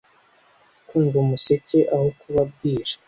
kumva umuseke aho kuba bwije